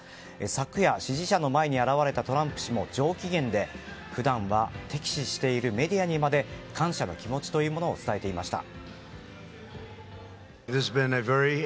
昨夜、支持者の前に現れたトランプ氏も上機嫌で普段は敵視しているメディアにまで感謝の気持ちを伝えていました。